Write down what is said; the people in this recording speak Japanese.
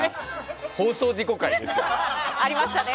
放送事故回ですよ。